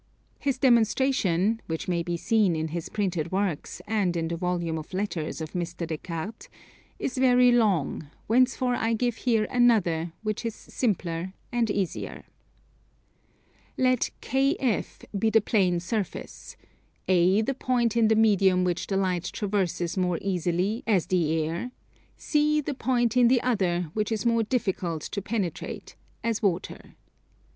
His demonstration, which may be seen in his printed works, and in the volume of letters of Mr. Des Cartes, is very long; wherefore I give here another which is simpler and easier. Let KF be the plane surface; A the point in the medium which the light traverses more easily, as the air; C the point in the other which is more difficult to penetrate, as water.